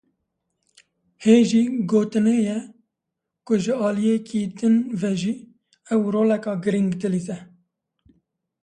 Hejî gotinê ye, ku ji aliyekî din ve jî , ew roleka girîng di lîze